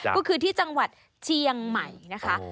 ก็คือที่จังหวัดเชียงใหม่นะคะ